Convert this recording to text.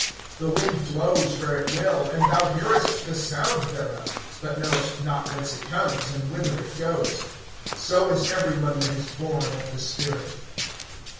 (8)The wind blows where it will, and thou hearest the sound thereof, but knowest not whence it comes, and whither it goes. So is every one that is born of the Spirit.